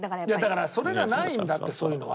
だからそれがないんだってそういうのは。